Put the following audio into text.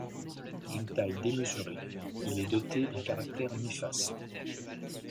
D'une taille démesurée, il est doté d'un caractère néfaste.